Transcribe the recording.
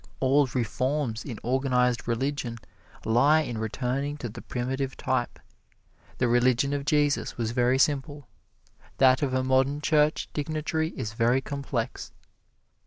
All reforms in organized religion lie in returning to the primitive type. The religion of Jesus was very simple; that of a modern church dignitary is very complex.